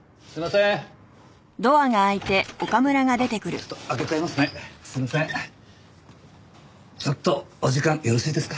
ちょっとお時間よろしいですか？